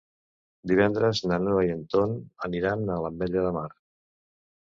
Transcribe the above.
Divendres na Noa i en Ton aniran a l'Ametlla de Mar.